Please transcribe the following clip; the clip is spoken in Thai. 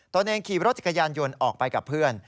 ตัวเองขี่รถจักรยานยนต์ออกไปกับเพื่อน